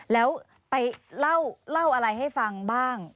แล้วไปเล่าอะไรให้ฟังบ้าง